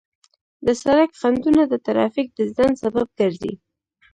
د سړک خنډونه د ترافیک د ځنډ سبب ګرځي.